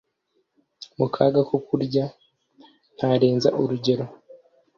mu kaga ko kurya nkarenza urugero